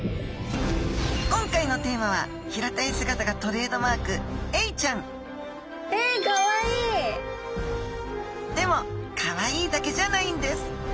今日のテーマは平たい姿がトレードマークエイちゃんでもかわいいだけじゃないんです！